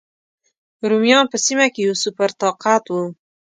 رومیان په سیمه کې یو سوپر طاقت و.